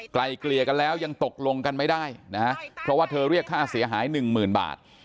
ไกลเกลี่ยกันแล้วยังตกลงกันไม่ได้นะฮะเพราะว่าเธอเรียกค่าเสียหายหนึ่งหมื่นบาท